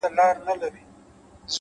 د چای بخار د لاس تودوخه بدلوي,